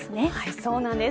そうなんです。